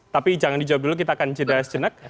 tapi jangan dijawab dulu kita akan jeda sejenak